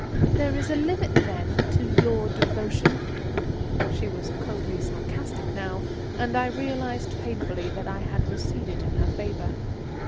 "There is a limit, then, to your devotion?" She was coldly sarcastic now, and I realized painfully that I had receded in her favour.